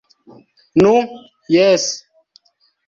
- Nu, jes...